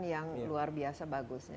yang luar biasa bagusnya